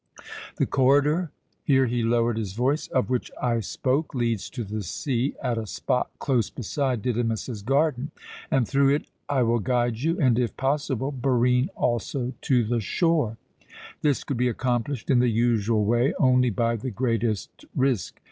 The corridor" here he lowered his voice "of which I spoke leads to the sea at a spot close beside Didymus's garden, and through it I will guide you, and, if possible, Barine also, to the shore. This could be accomplished in the usual way only by the greatest risk.